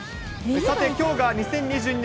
さて、きょうが２０２２年、